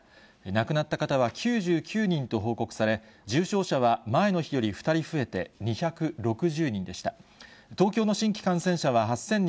亡くなった方は９９人と報告され、重症者は前の日より２人増えて２６０人でした。